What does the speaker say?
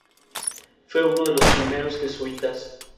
Fue uno de los primeros jesuitas.